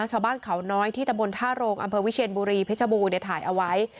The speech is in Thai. ชาวบ้านเขาน้อยที่ตำบลท่าโรงอำเภอวิเชียนบุรีเพชรบูรณ์ถ่ายเอาไว้